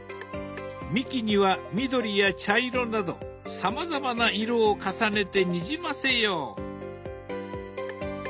幹には緑や茶色などさまざまな色を重ねてにじませよう。